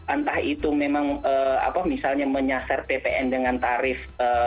entah itu memang apa misalnya menyasar ppn dengan tarif